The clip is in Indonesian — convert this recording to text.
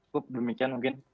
cukup demikian mungkin